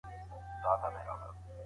د مجرد لپاره خطبه کول ګران کار نه دی.